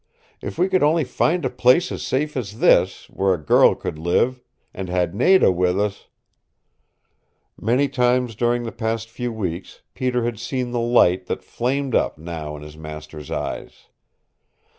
If we could only find a place as safe as this where a girl could live and had Nada with us " Many times during the past few weeks Peter had seen the light that flamed up now in his master's eyes.